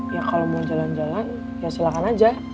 ya kalau mau jalan jalan ya silakan aja